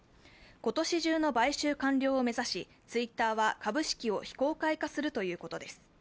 今年中の買収完了を目指しツイッターは株式を非公開化するということです。